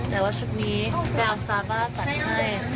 แต่ว่าชุดนี้แกเอาซาว่าตัดให้สวยมากต้องรอดูกัน